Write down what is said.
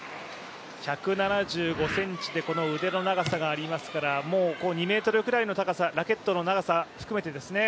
１７５ｃｍで、この腕の長さがありますからもう２ｍくらいの高さ、ラケットの長さ含めてですね。